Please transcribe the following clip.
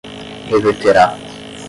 reverterá